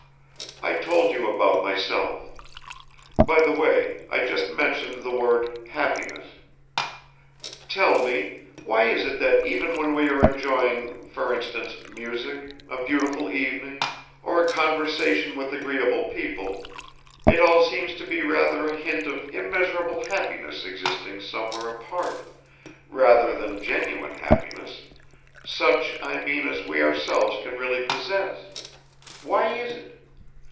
I told you about myself. By the way, I just mentioned the word 'happiness.' Tell me, why is it that even when we are enjoying, for instance, music, a beautiful evening, or a conversation with agreeable people, it all seems to be rather a hint of immeasurable happiness existing somewhere apart, rather than genuine happiness, such, I mean, as we ourselves can really possess? Why is it?